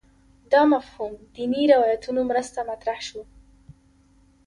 دا مفهوم دیني روایتونو مرسته مطرح شو